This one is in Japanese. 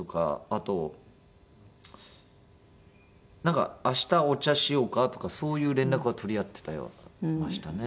あとなんか「明日お茶しようか」とかそういう連絡は取り合ってましたね。